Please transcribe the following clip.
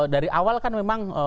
dari awal kan memang